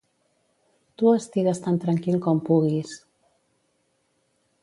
Tu estigues tan tranquil com puguis.